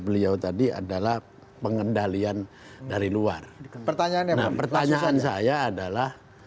beliau tadi adalah pengendalian dari luar pertanyaannya pertanyaan saya adalah